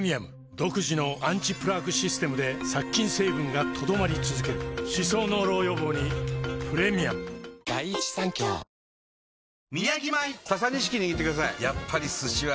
独自のアンチプラークシステムで殺菌成分が留まり続ける歯槽膿漏予防にプレミアム一体何を始める気です？